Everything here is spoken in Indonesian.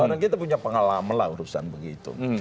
karena kita punya pengalaman lah urusan begitu